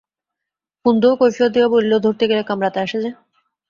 কুন্দও কৈফিয়ত দিয়া বলিল, ধরতে গেলে কামড়াতে আসে যে!